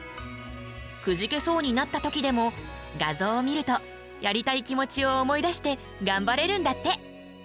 くじけそうになった時でも画像を見るとやりたい気持ちを思い出してがんばれるんだって。